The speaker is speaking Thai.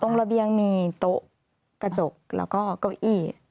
ระเบียงมีโต๊ะกระจกแล้วก็เก้าอี้